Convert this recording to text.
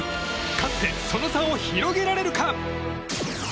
勝ってその差を広げられるか。